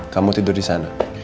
kamu tidur disana